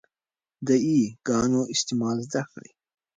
د 'ي' ګانو استعمال زده کړئ.